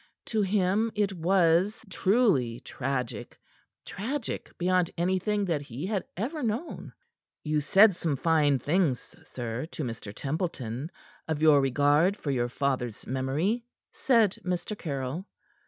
To him it was truly tragic, tragic beyond anything that he had ever known. "You said some fine things, sir, to Mr. Templeton of your regard for your father's memory," said Mr. Caryll.